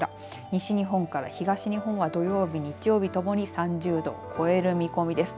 西日本から東日本は土曜日、日曜日ともに３０度を超える見込みです。